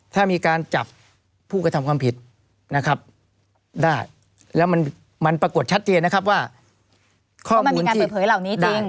ถ้ามีการจับผู้กระทำความผิดนะครับได้แล้วมันปรากฏชัดเจนนะครับว่ามันมีการเปิดเผยเหล่านี้จริง